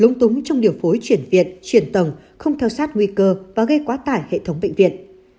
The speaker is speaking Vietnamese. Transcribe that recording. gửi chuyển viện chuyển tầng không theo sát nguy cơ và gây quá tải hệ thống bệnh viện